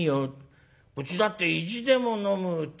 うちだって意地でも飲むって。